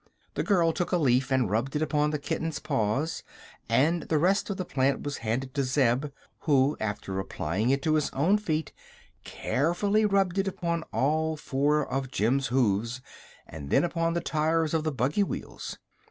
The girl took a leaf and rubbed it upon the kitten's paws, and the rest of the plant was handed to Zeb, who, after applying it to his own feet, carefully rubbed it upon all four of Jim's hoofs and then upon the tires of the buggy wheels.